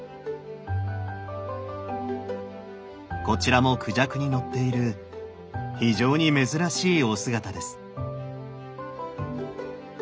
こちらもクジャクに乗っている非常に珍しいお姿です。